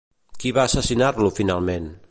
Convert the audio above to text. Qui va assassinar-lo finalment?